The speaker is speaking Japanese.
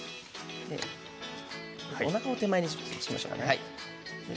おなかを手前にしましょう。